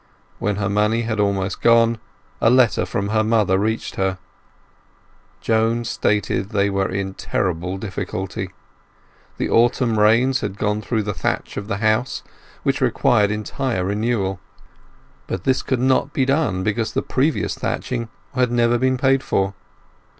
When her money had almost gone a letter from her mother reached her. Joan stated that they were in dreadful difficulty; the autumn rains had gone through the thatch of the house, which required entire renewal; but this could not be done because the previous thatching had never been paid for.